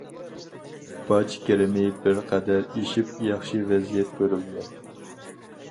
باج كىرىمى بىر قەدەر ئېشىپ، ياخشى ۋەزىيەت كۆرۈلگەن.